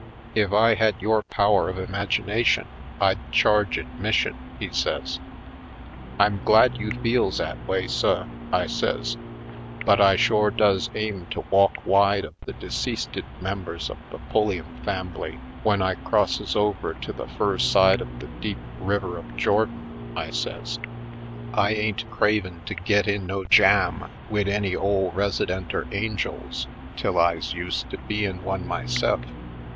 If I had your power of imagination I'd charge admission," he says. "I'm glad you feels 'at way, suh," I says, ^'but I shore does aim to walk wide of the deceasted members of the Pulliam fambly w'en I crosses over to the fur side of the deep River of Jordan," I says. "I ain't cravin' to git in no jam wid any ole resi denter angels till I's used to bein' one my se'f.